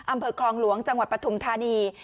อำเภอคลองหลวงจังหวัดปฐุมธานี